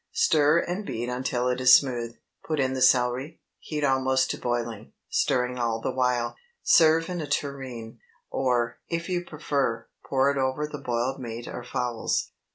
Stir and beat until it is smooth; put in the celery; heat almost to boiling, stirring all the while; serve in a tureen, or, if you prefer, pour it over the boiled meat or fowls.